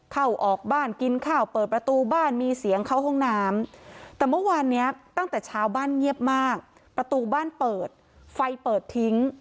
เข้าออกบ้านกินข้าวเปิดประตูบ้านมีเสียงเข้าห้องน้ำแต่เมื่อวานเนี้ยตั้งแต่เช้าบ้านเงียบมากประตูบ้านเปิดไฟเปิดทิ้ง